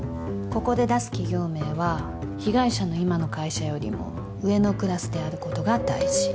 ここで出す企業名は被害者の今の会社よりも上のクラスであることが大事